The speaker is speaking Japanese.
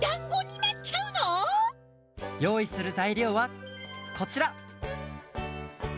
よういするざいりょうはこちら！